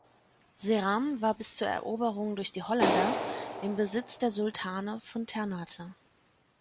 Seram war bis zur Eroberung durch die Holländer im Besitz der Sultane von Ternate.